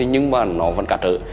nhưng mà nó vẫn cản trở